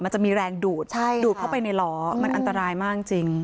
มันจะมีแรงดูดดูดเข้าไปในล้อมันอันตรายมากจริง